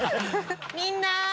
みんな！